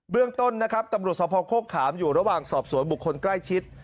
เรื่องต้นนะครับตำรวจสภโคกขามอยู่ระหว่างสอบสวนบุคคลใกล้ชิด